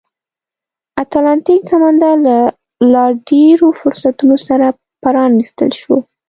اتلانتیک سمندر له لا ډېرو فرصتونو سره پرانیستل شو.